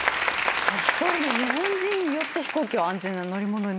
一人の日本人によって飛行機は安全な乗り物になった。